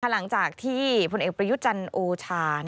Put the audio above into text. หลังจากที่พลเอกประยุจันทร์โอชา